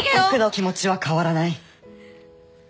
僕の気持ちは変わらない。